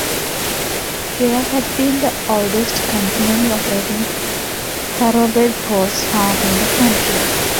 Belair had been the oldest continually operating thoroughbred horse farm in the country.